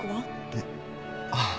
えっああ